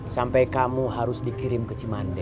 sampai kamu harus dikirim ke cimande